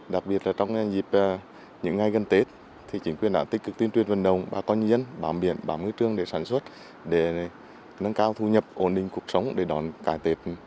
đặc biệt là trong những ngày gần tết thì chính quyền đã tích cực tuyên truyền vận động bà con nhân dân bám biển bám ngư trường để sản xuất để nâng cao thu nhập ổn định cuộc sống để đón cải tết